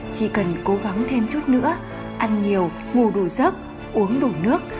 chỉ cần cố gắng thêm chút nữa ăn nhiều ngủ đủ giấc uống đủ nước